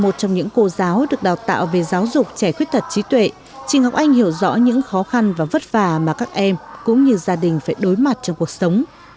trong những cô giáo được đào tạo về giáo dục trẻ khuyết tật trí tuệ chị ngọc anh hiểu rõ những khó khăn và vất vả mà các em cũng như gia đình phải đối mặt trong cuộc sống